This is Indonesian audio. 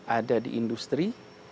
ada di industri